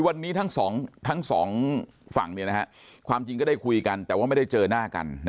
วันนี้ทั้งสองฝั่งความจริงก็ได้คุยกันแต่ว่าไม่ได้เจอหน้ากัน